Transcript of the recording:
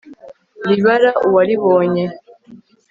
ribara uwaribonye